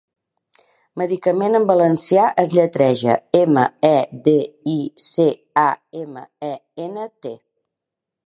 'Medicament' en valencià es lletreja: eme, e, de, i, ce, a, eme, e, ene, te.